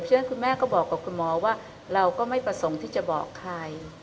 ฉะนั้นคุณแม่ก็บอกกับคุณหมอว่าเราก็ไม่ประสงค์ที่จะบอกใคร